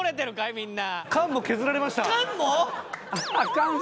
みんな。